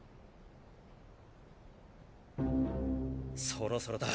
そろそろだ。